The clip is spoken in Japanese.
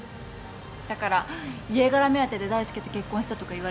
だから家柄目当てで大介と結婚したとかいわれてる。